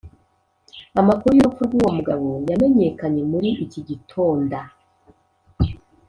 amakuru y’urupfu rw’uwo mugabo yamenyekanye muri iki gitonda